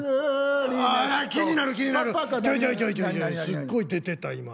すっごい出てた今。